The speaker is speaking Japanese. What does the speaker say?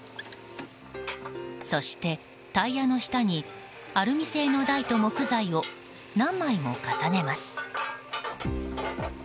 そして、タイヤの下にアルミ製の台と木材を何枚も重ねます。